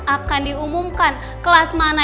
akan diumumkan kelas mana